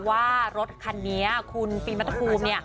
ว่ารถคันนี้คุณฟีมัตตรภูมิ